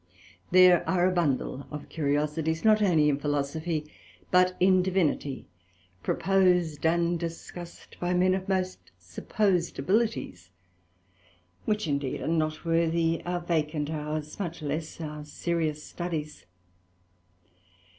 There are a bundle of curiosities, not only in Philosophy, but in Divinity, proposed and discussed by men of most supposed abilities, which indeed are not worthy our vacant hours, much less our serious Studies.